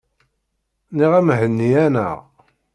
Nniɣ-am henni-aneɣ.